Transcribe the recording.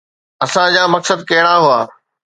اسان جا مقصد ڪهڙا هئا؟